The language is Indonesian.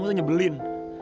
kamu tuh nyebelin